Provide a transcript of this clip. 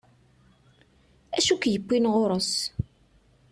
Acu ik-yewwin ɣur-s?